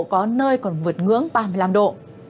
có nơi còn vượt ngưỡng ba mươi năm độ